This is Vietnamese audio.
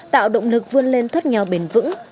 tạo động lực vươn lên thoát nghèo bền vững